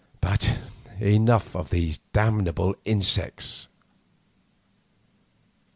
But enough of these damnable insects!